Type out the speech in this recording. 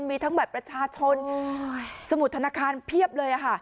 มีทั้งบัตรประชาชนสมุดธนาคารเพียบเลยค่ะ